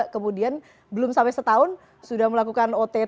kemudian belum sampai setahun sudah melakukan ott